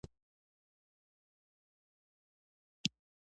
سوالګر ته امیدونه ورکوئ